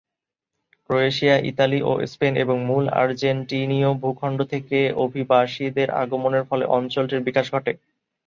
Croatia, Italy ও Spain এবং মূল আর্জেন্টিনীয় ভূখণ্ড থেকে অভিবাসীদের আগমনের ফলে অঞ্চলটির বিকাশ ঘটে।